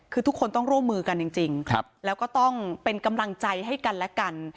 คือทุกคนต้องร่วมมือกันจริงแล้วก็ต้องเป็นกำลังใจให้กันและกัน